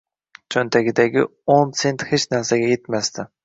Choʻntagidagi oʻn sent hech narsaga yetmasdi